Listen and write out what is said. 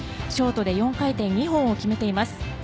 ショートで４回転２本を決めています。